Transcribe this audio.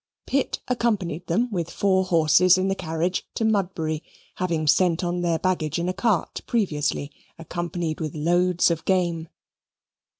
Pitt accompanied them with four horses in the carriage to Mudbury, having sent on their baggage in a cart previously, accompanied with loads of game.